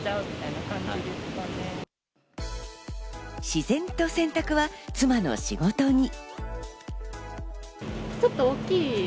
自然と洗濯は妻の仕事に。